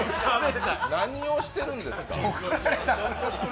何をしてるんですか。